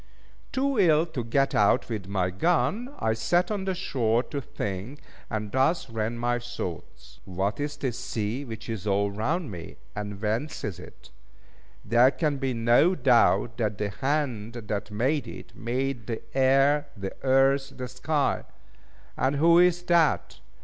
Too ill to get out with my gun, I sat on the shore to think, and thus ran my thoughts: "What is this sea which is all round me? and whence is it? There can be no doubt that the hand that made it, made the air, the earth, the sky. And who is that?